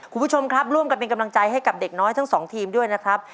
คุณผู้ชมครับร่วมกันเป็นกำลังใจให้กับเด็กน้อยทั้งสองทีมด้วยนะครับ